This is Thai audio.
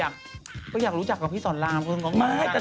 ไหนบอกว่าทำไมสอนลำมีแฟนใหม่อีกแล้วเท่า